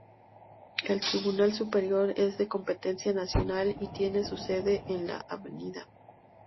El Tribunal Superior es de competencia nacional y tiene su sede en la Av.